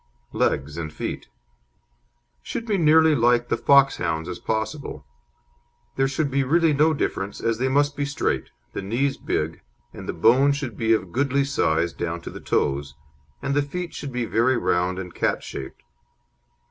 LEGS AND FEET Should be as nearly like the Foxhound's as possible. There should be really no difference, as they must be straight, the knees big, and the bone should be of goodly size down to the toes, and the feet should be very round and cat shaped.